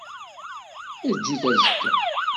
Eg-it azekka.